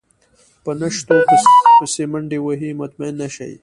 په نشتو پسې منډې وهي مطمئن نه شي.